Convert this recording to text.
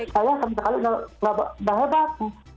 saya sekali sekali nggak hebat